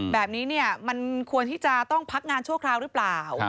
แบบนี้มันควรที่จะต้องพักงานชั่วคราวหรือเปล่า